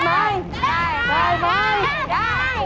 ได้ไหมเหละ